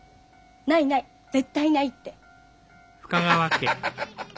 ないない絶対ないって。